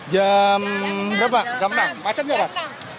jam berapa jam enam macet nggak mas